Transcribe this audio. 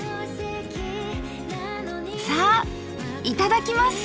さあいただきます！